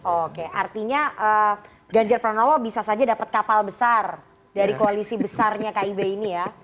oke artinya ganjar pranowo bisa saja dapat kapal besar dari koalisi besarnya kib ini ya